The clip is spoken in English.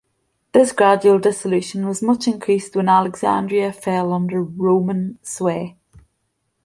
This gradual dissolution was much increased when Alexandria fell under Roman sway.